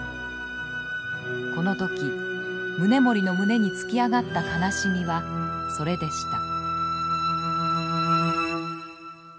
この時宗盛の胸に突き上がった悲しみはそれでした。